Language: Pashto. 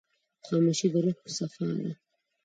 خاموشي، د روح صفا ده.